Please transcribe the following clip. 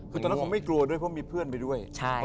คือตอนนั้นเขาไม่กลัวด้วยเพราะมีเพื่อนไปด้วย